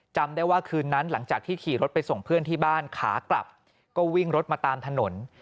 จำได้ว่าคืนนั้นหลังจากที่ขี่รถไปส่งเพื่อนที่บ้านขากลับก็วิ่งรถมาตามถนน